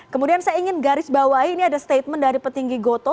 kemudian saya ingin garis bawahi ini ada statement dari petinggi goto